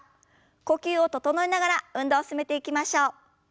呼吸を整えながら運動を進めていきましょう。